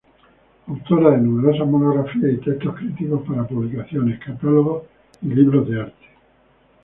Autora de numerosas monografías y textos críticos para publicaciones, catálogos y libros de arte.